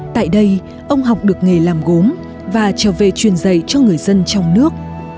tại đây ông học được nghề làm gốm và trở về truyền dạy cho người dân trong nước